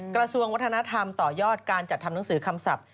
กระทรวงวัฒนธรรมต่อยอดการจัดทำหนังสือคำศัพท์